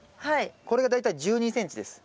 これが大体１２ｃｍです。